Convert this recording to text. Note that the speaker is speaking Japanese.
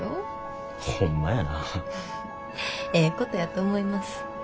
ええことやと思います。